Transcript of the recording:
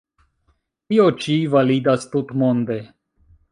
Tio ĉi validas tutmonde.